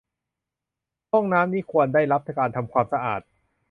ห้องน้ำนี้ควรได้รับการทำความสะอาด